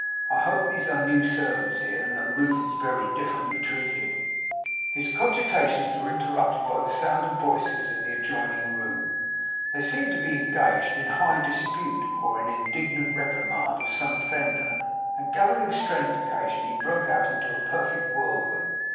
I hope these are new servants here, and that Ruth is very differently treated.' His cogitations were interrupted by the sound of voices in the adjoining room. They seemed to be engaged in high dispute, or in indignant reprimand of some offender; and gathering strength occasionally, broke out into a perfect whirlwind.